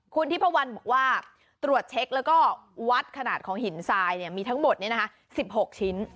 คุณทิพวันบอกว่าตรวจเช็คแล้วก็วัดขนาดของหินทรายมีทั้งหมด๑๖ชิ้น